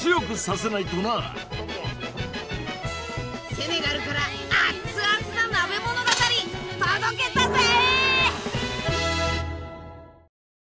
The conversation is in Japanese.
セネガルからあっつあつな鍋物語届けたぜ！